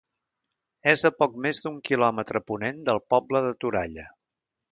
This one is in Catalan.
És a poc més d'un quilòmetre a ponent del poble de Toralla.